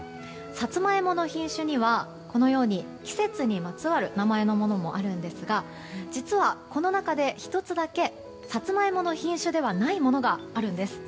サツマイモの品種にはこのように、季節にまつわる名前のものもあるんですが実はこの中で１つだけサツマイモの品種ではないものがあるんです。